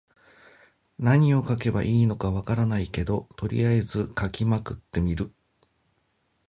何を書けばいいのか分からないけど、とりあえず書きまくってみる。